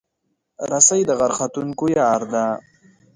رسۍ د غر ختونکو یار ده.